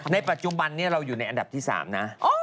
ในปัจจุบันนี้เราอยู่ในอันดับที่๓นะ